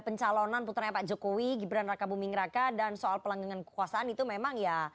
pencalonan putranya pak jokowi gibran raka buming raka dan soal pelanggaran kekuasaan itu memang ya